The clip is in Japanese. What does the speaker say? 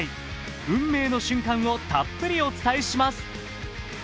運命の瞬間をたっぷりお伝えします。